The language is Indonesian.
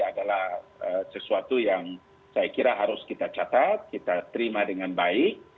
adalah sesuatu yang saya kira harus kita catat kita terima dengan baik